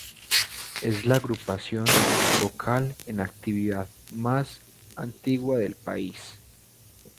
Es la agrupación vocal en actividad más antigua del país.